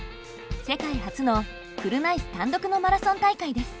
世界初の車いす単独のマラソン大会です。